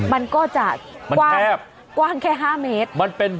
มันก็จะกว้างแค่๕เมตร